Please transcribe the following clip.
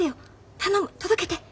頼む届けて！